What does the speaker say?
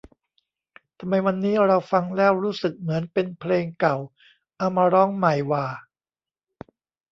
ทำไมวันนี้เราฟังแล้วรู้สึกเหมือนเป็นเพลงเก่าเอามาร้องใหม่หว่า